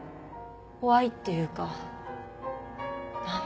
怖いっていうかな